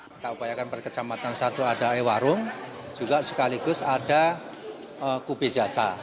kita upayakan perkecamatan satu ada iwarong juga sekaligus ada kube zasa